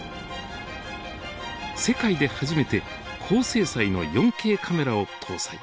世界で初めて高精細の４Ｋカメラを搭載。